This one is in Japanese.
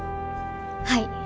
はい。